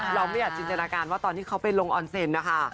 เราไม่อยากจินตนาการว่าตอนที่เขาไปลงออนเซ็นต์นะคะ